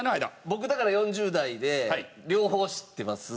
僕だから４０代で両方知ってます。